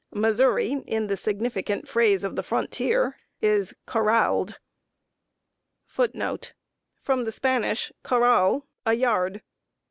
Missouri, in the significant phrase of the frontier, is corraled. From the Spanish corral, a yard.